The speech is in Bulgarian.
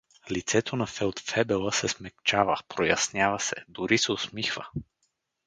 Лицето на фелдфебела се смекчава, прояснява се, дори се усмихва.